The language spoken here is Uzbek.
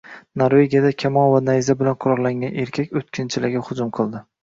Norvegiyada kamon va nayza bilan qurollangan erkak o‘tkinchilarga hujum qildi